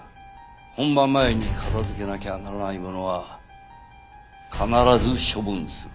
本番前に片付けなきゃならないものは必ず処分する。